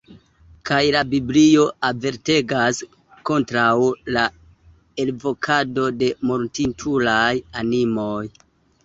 Kaj la Biblio avertegas kontraŭ la elvokado de mortintulaj animoj!